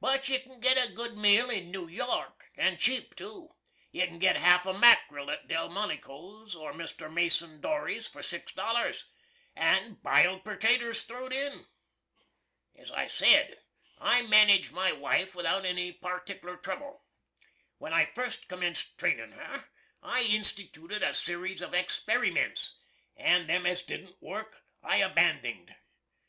But you can git a good meal in New York, & cheap to. You can git half a mackril at Delmonico's or Mr. Mason Dory's for six dollars, and biled pertaters throw'd in. As I sed, I manige my wife without any particler trouble. When I fust commenst trainin' her I institooted a series of experiments, and them as didn't work I abanding'd.